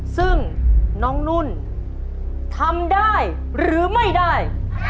ซึ่งน้องนุ่นทำได้หรือไม่ได้